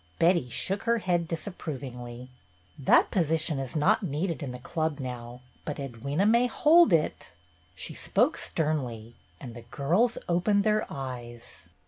Betty shook her head disapprovingly. "That position is not needed in the Club now, but Edwyna may hold it." She spoke sternly, and the girls opened their eyes.